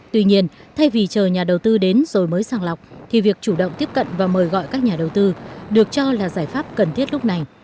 tuy nhiên thay vì chờ nhà đầu tư đến rồi mới sàng lọc thì việc chủ động tiếp cận và mời gọi các nhà đầu tư được cho là giải pháp cần thiết lúc này